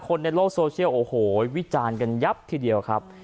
คนในโลกโซเชียลโอ้โหวิจารณ์กันยับทีเดียวครับ